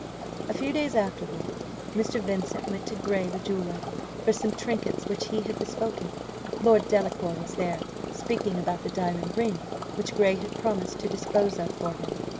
A few days afterward, Mr. Vincent went to Gray, the jeweller, for some trinkets which he had bespoken. Lord Delacour was there, speaking about the diamond ring, which Gray had promised to dispose of for him.